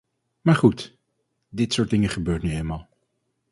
Maar goed, dit soort dingen gebeurt nu eenmaal.